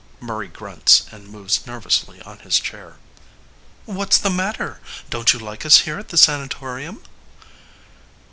(Murray grunts and moves nervously on his chair.} What s the matter ? Don t you like us here at the Sanatorium